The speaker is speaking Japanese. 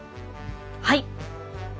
はい！